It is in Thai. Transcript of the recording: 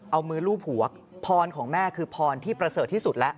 เอามือลูบหัวพรของแม่คือพรที่ประเสริฐที่สุดแล้ว